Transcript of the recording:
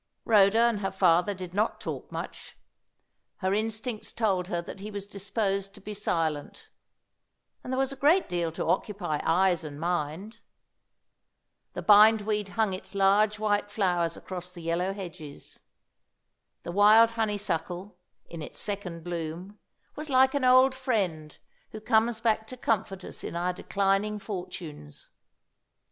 Rhoda and her father did not talk much. Her instincts told her that he was disposed to be silent; and there was a great deal to occupy eyes and mind. The bindweed hung its large white flowers across the yellow hedges. The wild honeysuckle, in its second bloom, was like an old friend who comes back to comfort us in our declining fortunes.